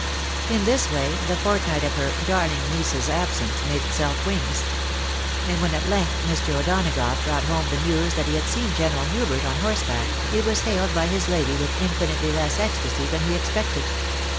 Li this way, the fortnight of her " darling niece's" absence made itself wings ; and when at length Mr. O'Donagough brought home the news that he had seen General Hubert on horseback, it was hailed by his lady with infinitely less ecstasy than he expected.